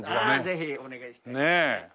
ぜひお願いしたいですね。